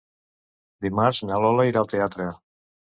Dimarts na Lola irà al teatre.